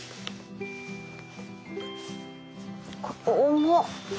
重っ。